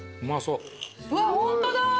うわっホントだ。